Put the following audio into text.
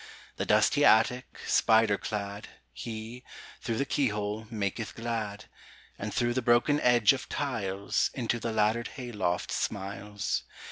The dusty attic, spider clad, He, through the keyhole, maketh glad; And through the broken edge of tilesInto the laddered hay loft smiles.